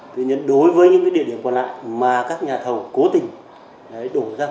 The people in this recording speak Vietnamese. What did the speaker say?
tuy nhiên đối với những địa điểm còn lại mà các nhà thầu cố tình đổ ra